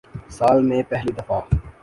سال میں پہلی دفع